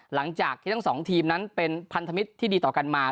หลังจากที่ทั้งสองทีมนั้นเป็นพันธมิตรที่ดีต่อกันมา